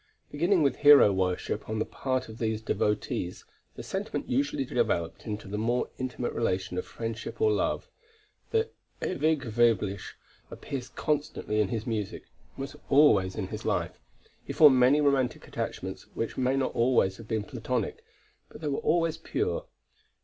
Beginning with hero worship on the part of these devotees, the sentiment usually developed into the more intimate relation of friendship or love. The "Ewig Weibliche" appears constantly in his music and was always in his life. He formed many romantic attachments which may not always have been Platonic, but they were always pure.